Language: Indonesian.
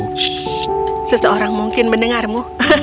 shh seseorang mungkin mendengarmu